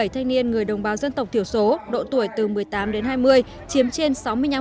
một trăm một mươi bảy thanh niên người đồng bào dân tộc thiểu số độ tuổi từ một mươi tám đến hai mươi chiếm trên sáu mươi năm